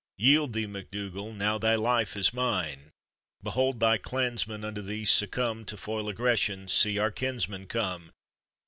Yield thee, MacDougall, now thy life i§ mine; Behold thy clansmen unto thei»e succumb, To foil aggression, see, our kinsmen come!